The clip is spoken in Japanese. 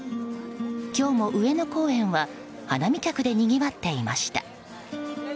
今日も上野公園は花見客でにぎわっていました。